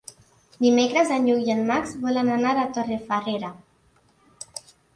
Dimecres en Lluc i en Max volen anar a Torrefarrera.